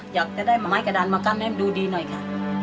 อยากจะได้ไม้กระดานมากั้นให้มันดูดีหน่อยค่ะ